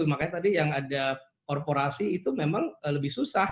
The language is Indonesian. makanya tadi yang ada korporasi itu memang lebih susah